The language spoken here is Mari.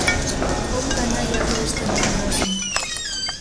Кок гана яклештын камвозым.